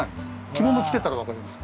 着物着てたら分かります？